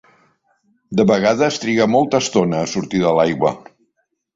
De vegades triga molta estona a sortir de l'aigua.